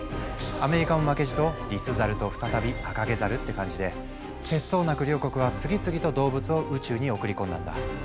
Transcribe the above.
アメリカも負けじとリスザルと再びアカゲザルって感じで節操なく両国は次々と動物を宇宙に送り込んだんだ。